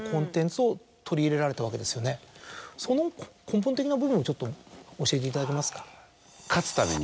その根本的な部分をちょっと教えていただけますか。